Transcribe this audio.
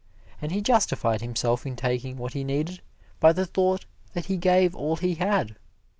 And he justified himself in taking what he needed by the thought that he gave all he had.